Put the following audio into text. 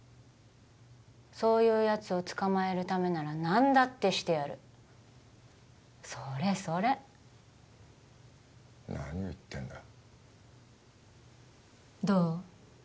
そういうやつを捕まえるためなら何だってしてやるそれそれ何を言ってんだどう？